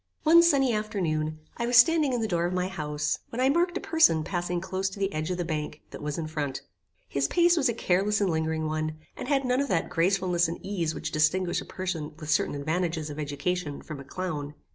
One sunny afternoon, I was standing in the door of my house, when I marked a person passing close to the edge of the bank that was in front. His pace was a careless and lingering one, and had none of that gracefulness and ease which distinguish a person with certain advantages of education from a clown.